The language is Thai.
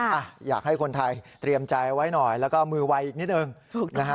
อ่ะอยากให้คนไทยเตรียมใจไว้หน่อยแล้วก็มือไวอีกนิดนึงถูกนะฮะ